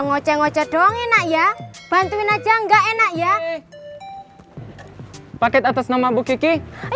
ngoceh ngoce doang enak ya bantuin aja enggak enak ya paket atas nama bu kiki